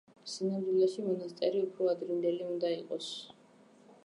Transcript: სინამდვილეში მონასტერი უფრო ადრინდელი უნდა იყოს.